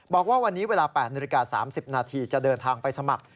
บอกว่าวันนี้เวลา๘นาฬิกา๓๐นาทีจะเดินทางไปสมัคร